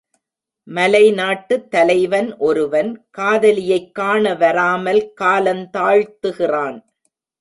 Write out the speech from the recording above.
மலைநாட்டுத் தலைவன் ஒருவன், காதலியைக் காணவராமல் காலந்தாழ்த்துகிறான்.